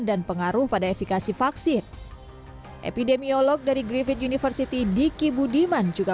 dan pengaruh pada efekasi vaksin epidemiolog dari griffith university diki budiman juga